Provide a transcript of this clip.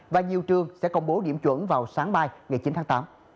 và nhiều trường sẽ công bố điểm chuẩn vào sáng mai ngày chín tháng tám